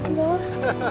ハハハハ！